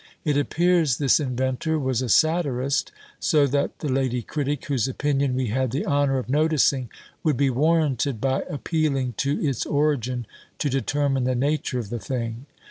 It appears this inventor was a satirist, so that the lady critic, whose opinion we had the honour of noticing, would be warranted by appealing to its origin to determine the nature of the thing.